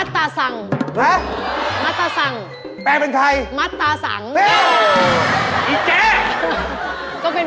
เดี๋ยวน้าก็ต้อง